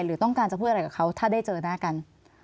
หรือต้องการจะพูดอะไรกับเขาถ้าได้เจอหน้ากัน